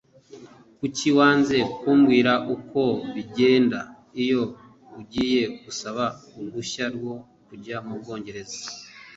Kuki wanze kumbwira uko bigenda iyo ugiye gusaba uruhushya rwo kujya mu bwongereza?